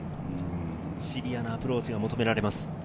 シビアなアプローチが求められます。